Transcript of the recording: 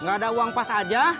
gak ada uang pas aja